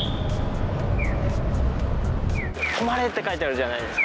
止まれって書いてあるじゃないですか。